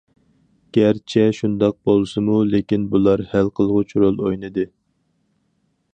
گەرچە شۇنداق بولسىمۇ، لېكىن بۇلار ھەر قىلغۇچ رول ئوينىدى.